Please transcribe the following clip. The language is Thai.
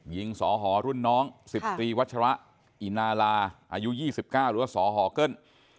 ยิงศฮรุ่นน้องสิบตีวัชราอินาราอายุ๒๙หรือว่าศฮเกิ้ล